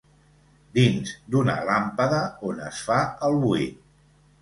Dins d'una làmpada on es fa el buit.